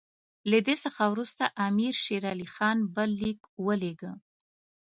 له دې څخه وروسته امیر شېر علي خان بل لیک ولېږه.